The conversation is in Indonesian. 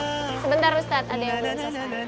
sebentar ustadz ada yang belum sesuai